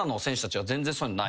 はい。